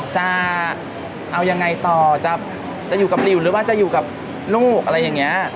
จะเอายังไงต่อจะอยู่กับหลิวหรือว่าจะอยู่กับลูกอะไรอย่างนี้